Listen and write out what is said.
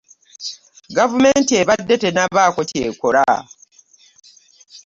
Gavumenti ebadde tennabaako ky'ekola.